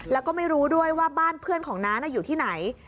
แล้วก็ไม่รู้ด้วยว่าบ้านเพื่อนของน้าอยู่ที่ไหน